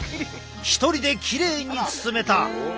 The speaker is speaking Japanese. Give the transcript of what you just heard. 一人できれいに包めた！